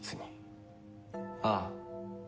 ああ。